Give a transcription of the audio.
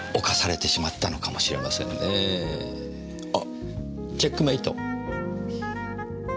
チェックメイト。